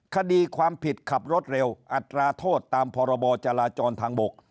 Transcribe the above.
คดีความผิดขับรถเร็วอัตราโทษตามพรบจราจรทางบก